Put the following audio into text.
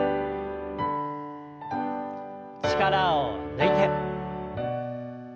力を抜いて。